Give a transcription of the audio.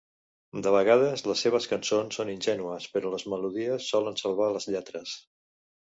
De vegades, les seves cançons són ingènues, però les melodies solen salvar les lletres.